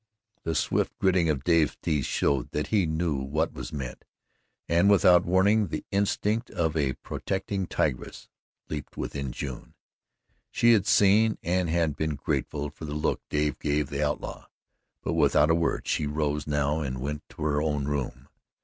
The swift gritting of Dave's teeth showed that he knew what was meant, and without warning the instinct of a protecting tigress leaped within June. She had seen and had been grateful for the look Dave gave the outlaw, but without a word she rose new and went to her own room.